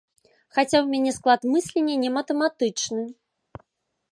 Хаця ў мяне склад мыслення не матэматычны.